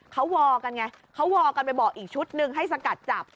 เขาวอลกันไงเขาวอลกันไปบอกอีกชุดหนึ่งให้สกัดจับ